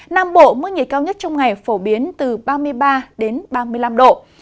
nam bộ mức nhiệt cao nhất trong ngày phổ biến từ ba mươi ba đến ba mươi năm độ